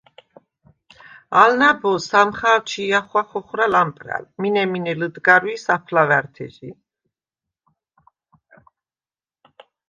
ალ ნა̈ბოზს ამხა̄ვ ჩი̄ ახღვა ხოხვრა ლამპრა̈ლ, მინე-მინე ლჷდგარვი̄ საფლავა̈რთეჟი.